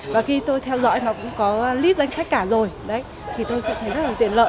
và khi tôi theo dõi nó cũng có líp danh sách cả rồi đấy thì tôi sẽ thấy rất là tiện lợi